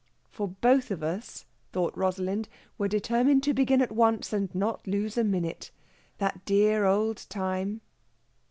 For both of us, thought Rosalind, were determined to begin at once and not lose a minute. That dear old time